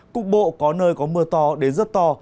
cục bộ có nơi có mưa to đến rất to